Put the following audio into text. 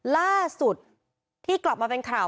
ล่าสุดที่กลับมาเป็นข่าว